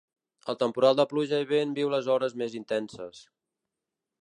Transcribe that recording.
El temporal de pluja i vent viu les hores més intenses.